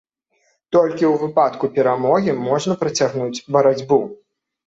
Толькі ў выпадку перамогі можна працягнуць барацьбу.